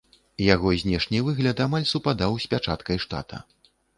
Яго знешні выгляд амаль супадаў з пячаткай штата.